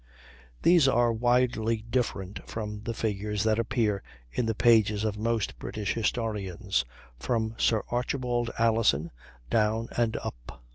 These are widely different from the figures that appear in the pages of most British historians, from Sir Archibald Alison down and up.